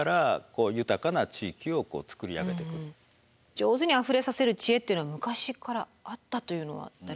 上手にあふれさせる知恵っていうのは昔からあったというのはダレノガレさん。